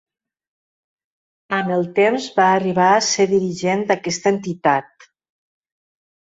Amb el temps va arribar a ser dirigent d'aquesta entitat.